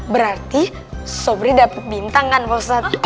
berarti sobri dapat bintang kan pak ustadz